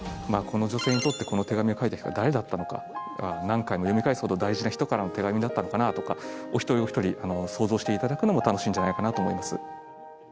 この女性にとってこの手紙を書いた人は誰だったのか何回も読み返すほど大事な人からの手紙だったのかなとかおひとりおひとり想像していただくのも楽しいんじゃないかなと思います。